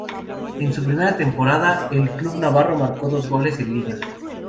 En su primera temporada en el club navarro marcó dos goles en liga.